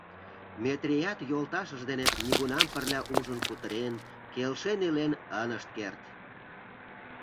Метрият йолташыж дене нигунам пырля ужын кутырен, келшен илен ынышт керт!